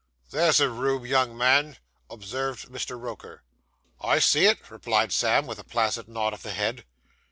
'There's a room, young man,' observed Mr. Roker. 'I see it,' replied Sam, with a placid nod of the head.